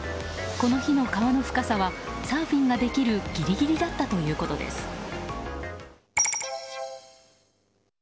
この日の川の深さはサーフィンができるギリギリだったということです。